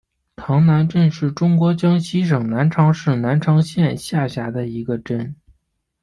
塘南镇是中国江西省南昌市南昌县下辖的一个镇。